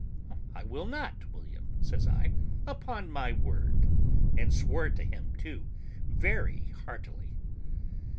"I will not, William," says I, "upon my word;" and swore to him, too, very heartily.